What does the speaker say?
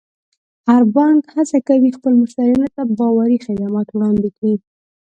هر بانک هڅه کوي خپلو مشتریانو ته باوري خدمات وړاندې کړي.